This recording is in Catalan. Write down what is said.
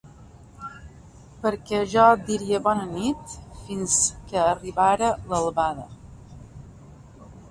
...perquè jo et diria bona nit fins que arribara l'albada.